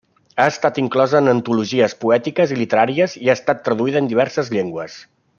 Ha estat inclosa en antologies poètiques i literàries i ha estat traduïda a diverses llengües.